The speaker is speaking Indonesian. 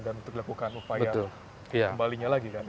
dan untuk dilakukan upaya kembalinya lagi